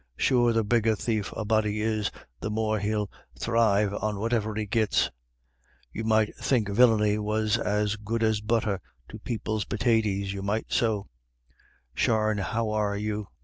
"Sure the bigger thief a body is, the more he'll thrive on whatever he gits; you might think villiny was as good as butter to people's pitaties, you might so. Sharne how are you?